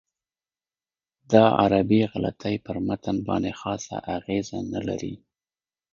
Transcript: دا عربي غلطۍ پر متن باندې خاصه اغېزه نه لري.